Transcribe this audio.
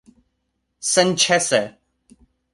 Senĉese!